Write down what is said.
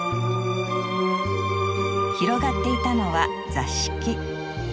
広がっていたのは座敷。